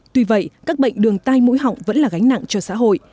tuy vậy các bệnh đường tai mũi họng vẫn là gánh nặng cho xã hội